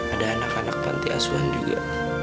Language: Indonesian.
ada anak anak panti asuhan juga